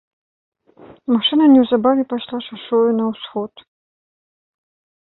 Машына неўзабаве пайшла шашою на ўсход.